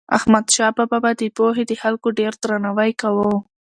احمدشاه بابا به د پوهې د خلکو ډېر درناوی کاوه.